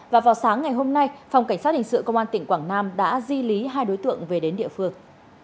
và vào sáng ngày hôm nay phòng cảnh sát hình sự công an tỉnh quảng nam đã di lý hai đối tượng về đến địa phương